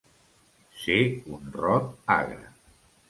Ser un rot agre.